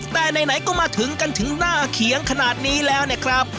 แต่ไหนก็มาถึงกันถึงหน้าเขียงขนาดนี้แล้วเนี่ยครับ